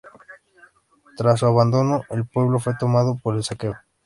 Tras su abandono el pueblo fue tomado por el saqueo.